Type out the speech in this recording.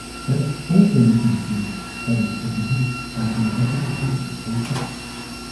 They have also recently been studied for their use as molecular sensors and switches.